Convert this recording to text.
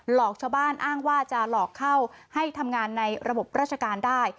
หลอกชาวบ้านอ้างว่าจะหลอกเข้าให้ทำงานในระบบราชการได้